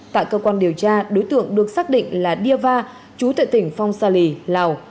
tại cơ quan điều tra đối tượng được xác định là đi va chú tại tỉnh phong sa lì lào